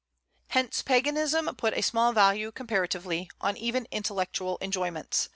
Hence Paganism put a small value, comparatively, on even intellectual enjoyments.